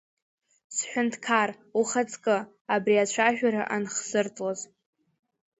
Сҳәынҭқар ухаҵкы, абри ацәажәара анхсыртлоз…